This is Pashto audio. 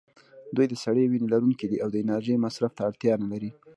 دوی د سړې وینې لرونکي دي او د انرژۍ مصرف ته اړتیا نه لري.